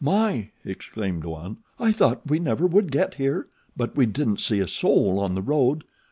"My!" exclaimed one. "I thought we never would get here; but we didn't see a soul on the road.